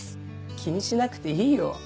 気にしなくていいよ。